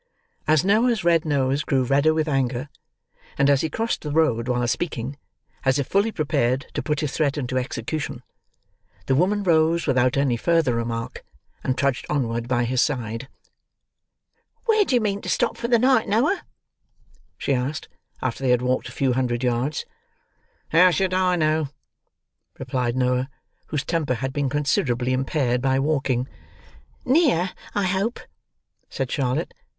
As Noah's red nose grew redder with anger, and as he crossed the road while speaking, as if fully prepared to put his threat into execution, the woman rose without any further remark, and trudged onward by his side. "Where do you mean to stop for the night, Noah?" she asked, after they had walked a few hundred yards. "How should I know?" replied Noah, whose temper had been considerably impaired by walking. "Near, I hope," said Charlotte.